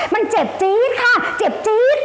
มันเจ็บจี๊ดค่ะเจ็บจี๊ด